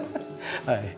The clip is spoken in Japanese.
はい。